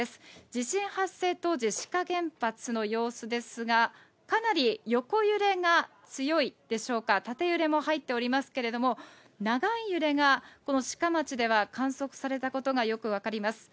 地震発生当時、志賀原発の様子ですが、かなり横揺れが強いでしょうか、縦揺れも入っておりますけれども、長い揺れがこの志賀町では観測されたことがよく分かります。